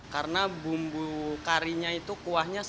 karena bumbu karinya itu kuahnya kental